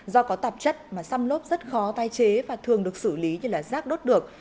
do có tạp chất mà xăm lốp rất khó tái chế và thường được xử lý như là rác đốt được